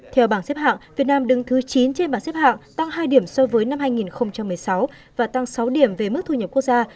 theo bảng xếp hạng việt nam đứng thứ chín trên bảng xếp hạng tăng hai điểm so với năm hai nghìn một mươi sáu và tăng sáu điểm về mức thu nhập quốc gia